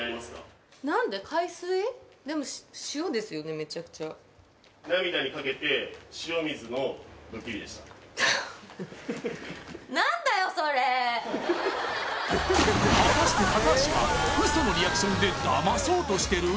めちゃくちゃ果たして高橋はウソのリアクションでダマそうとしてる？